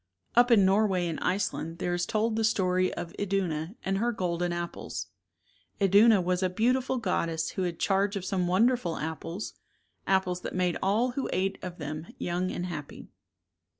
Up in Norway and Iceland there is told the story of Iduna and her golden apples. Iduna was a beautiful goddess who had charge of some wonderful apples, apples that made all who ate of them young and happy.